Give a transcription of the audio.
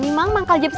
saya bukan kecepatan